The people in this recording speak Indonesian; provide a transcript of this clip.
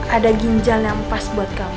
ada ginjal yang pas buat kamu